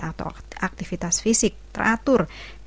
atau aktivitas fisik teratur